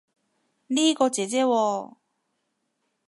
呢個姐姐喎